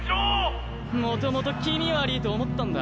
もともと気味悪ィと思ったんだ。